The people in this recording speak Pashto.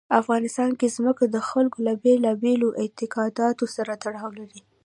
افغانستان کې ځمکه د خلکو له بېلابېلو اعتقاداتو سره تړاو لري.